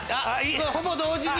ほぼ同時に。